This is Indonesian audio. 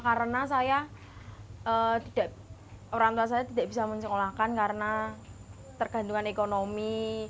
karena saya tidak orang tua saya tidak bisa mencekolahkan karena tergantungan ekonomi